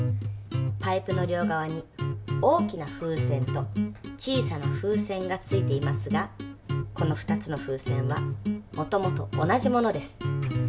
パイプの両側に大きな風船と小さな風船が付いていますがこの２つの風船はもともと同じ物です。